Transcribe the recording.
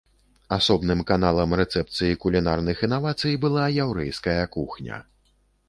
Асобным каналам рэцэпцыі кулінарных інавацый была яўрэйская кухня.